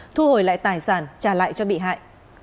thu hồi lại tài sản trả lại cho bị hại